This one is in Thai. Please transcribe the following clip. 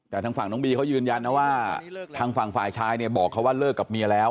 แต่ทางฝั่งที่เป็นวัฏ่ม่อนคือการว่าก็คือเอกถูกเกาะศัพท์ต่างตะวัตถูกพยพทิเศษ